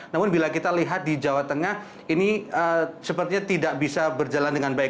namun bila kita lihat di jawa tengah ini sepertinya tidak bisa berjalan dengan baik